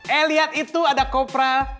eh lihat itu ada kopra